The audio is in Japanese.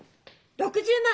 ６０万！？